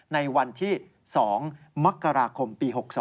ในวันที่๒มกราคมปี๖๒